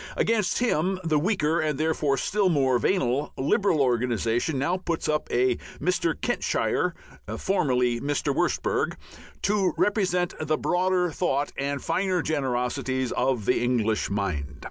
Against him the weaker (and therefore still more venal) Liberal organization now puts up a Mr. Kentshire (formerly Wurstberg) to represent the broader thought and finer generosities of the English mind.